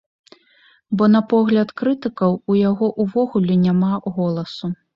Бо на погляд крытыкаў, у яго ўвогуле няма голасу!